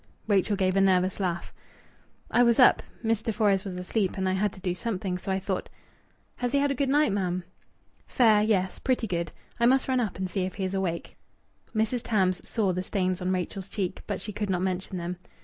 Rachel gave a nervous laugh. "I was up. Mr. Fores was asleep, and I had to do something, so I thought " "Has he had a good night, ma'am?" "Fair. Yes, pretty good. I must run up and see if he is awake." Mrs. Tams saw the stains on Rachel's cheeks, but she could not mention them.